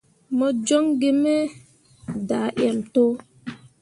Mo joŋ gi me daaǝǝm to.